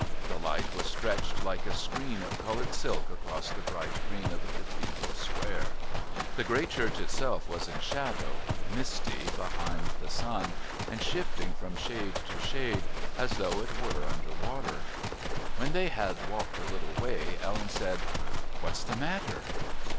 The light was stretched like a screen of coloured silk across the bright green of the Cathedral square; the great Church itself was in shadow, misty behind the sun, and shifting from shade to shade as though it were under water. When they had walked a little way Ellen said: "What's the matter?"